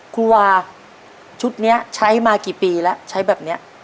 ครูวาชุดนี้ใช้มากี่ปีแล้วใช้แบบนี้